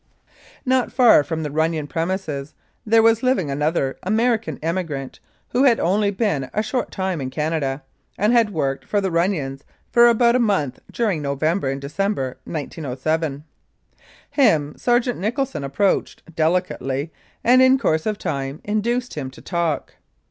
Not far from the Runnion premises there was living another American immigrant who had only been a short time in Canada, and had worked for the Run nions for about a month during November and December, 1907. Him Sergeant Nicholson approached "delicately," and in course of time induced him to talk.